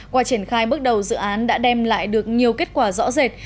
qua triển khai bước đầu dự án đã đem lại được nhiều kết quả rõ rệt